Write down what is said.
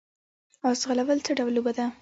اس ځغلول څه ډول لوبه ده؟